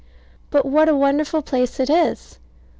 But what a wonderful place it is!